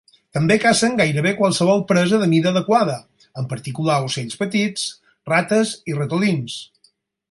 També cacen gairebé qualsevol presa de mida adequada, en particular ocells petits, rates i ratolins.